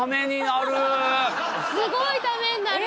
すごいタメになる。